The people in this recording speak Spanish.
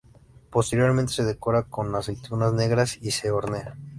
Posteriormente se decora con aceitunas negras y se hornea.